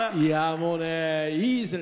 もうね、いいですね。